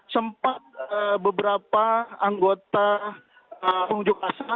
sempat beberapa anggota unjuk rasa